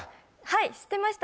はい知ってました